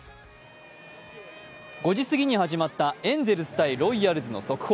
５時過ぎに始まったエンゼルス×ロイヤルズの速報。